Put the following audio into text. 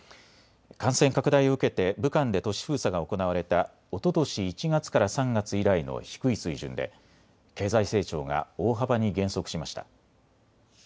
感染拡大を受けて武漢で都市封鎖が行われたおととし１月から３月以来の低い水準で経済成長が大幅に減速しました。